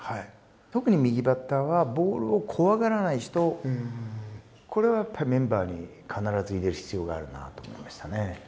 特に右バッターはボールを怖がらない人これはやっぱりメンバーに必ず入れる必要があるなと思いましたね。